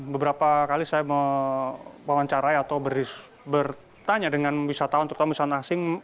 beberapa kali saya mewawancarai atau bertanya dengan wisatawan terutama wisatawan asing